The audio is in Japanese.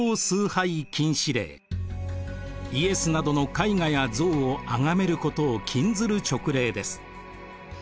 イエスなどの絵画や像をあがめることを禁ずる勅令です。